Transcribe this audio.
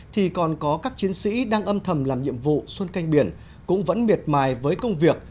thì còn có các chiến sĩ đang âm thầm làm nhiệm vụ xuân canh biển cũng vẫn miệt mài với công việc